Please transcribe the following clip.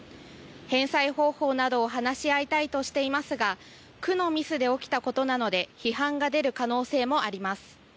返済方法などを話し合いたいとしていますが区のミスで起きたことなので批判が出る可能性もあります。